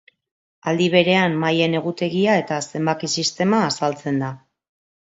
Aldi berean maien egutegia eta zenbaki sistema azaltzen da.